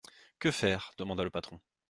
Que faire ? demanda le patron.